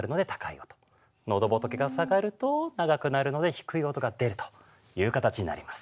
のどぼとけが下がると長くなるので低い音が出るという形になります。